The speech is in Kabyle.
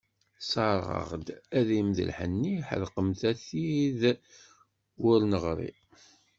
Serseɣ-d adrim d lḥenni, ḥedqemt a tid wer neɣri.